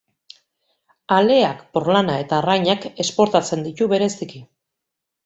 Aleak, porlana eta arrainak esportatzen ditu bereziki.